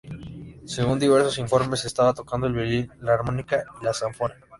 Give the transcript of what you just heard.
Según diversos informes, estaba tocando el violín, la armónica y la zanfona.